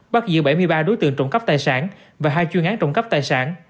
bắt giữ bảy mươi ba đối tượng trộm cắp tài sản và hai chuyên án trộm cắp tài sản